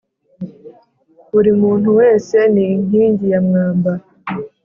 buri muntu wese ni inkingi ya mwamba